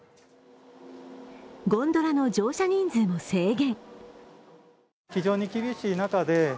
ゴンドラの乗車人数も制限。